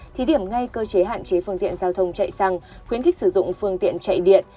thí điểm ngay cơ chế hạn chế phương tiện giao thông chạy sang khuyến khích sử dụng phương tiện chạy điện